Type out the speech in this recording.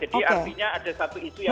artinya ada satu isu yang